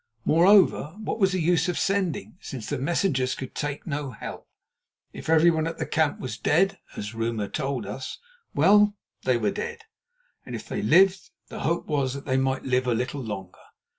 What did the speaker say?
Moreover, what was the use of sending, since the messengers could take no help? If everyone at the camp was dead, as rumour told us—well, they were dead. And if they lived, the hope was that they might live a little longer.